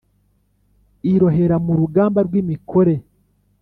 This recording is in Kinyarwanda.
Irohera mu rugamba rw’imikore :